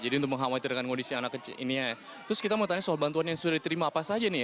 jadi untuk mengkhawatirkan kondisi anak kecil terus kita mau tanya soal bantuan yang sudah diterima apa saja nih